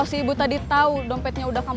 dia tv adalah juara menység